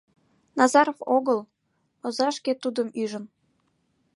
— Назаров огыл, оза шке тудым ӱжын!